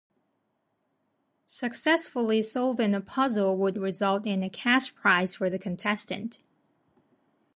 Successfully solving a puzzle would result in a cash prize for the contestant.